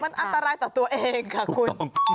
มันอันตรายต่อตัวเองค่ะคุณ